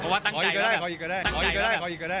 เพราะว่าตั้งใจแบบแบบแบบแบบแบบแบบจะขออีกหรอขออีกก็ได้